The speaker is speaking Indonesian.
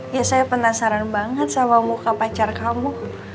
ya saya penasaran banget sama muka pacar kamu